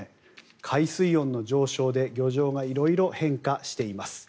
海水温の上昇で漁場が色々変化しています。